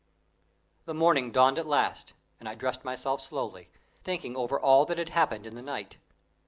The morning dawned at last, and I dressed myself slowly, thinking over all that had happened in the night.